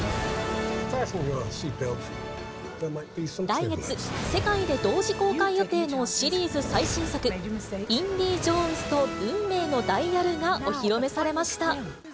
来月、世界で同時公開予定のシリーズ最新作、インディ・ジョーンズと運命のダイヤルがお披露目されました。